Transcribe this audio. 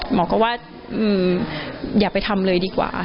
หมอก็ว่าอย่าไปทำเลยดีกว่า